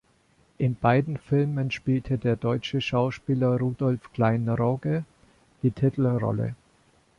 In beiden Filmen spielte der deutsche Schauspieler Rudolf Klein-Rogge die Titelrolle.